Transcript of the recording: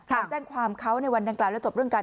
ไปแจ้งความเขาในวันดังกล่าวแล้วจบเรื่องการ